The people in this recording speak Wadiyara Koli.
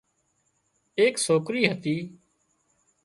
ايڪ سوڪري هتي